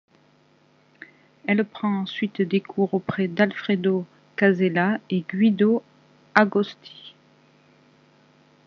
Elle prend ensuite des cours auprès d'Alfredo Casella et Guido Agosti.